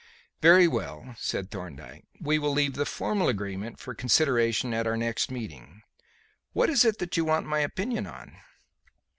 "Very well," said Thorndyke; "we will leave the formal agreement for consideration at our next meeting. What is it that you want my opinion on?"